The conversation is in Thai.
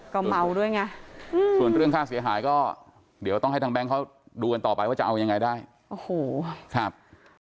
ก็เมาด้วยไงส่วนเรื่องค่าเสียหายก็เดี๋ยวต้องให้ทางแบงค์เขาดูกันต่อไปว่าจะเอายังไงได้โอ้โหครับ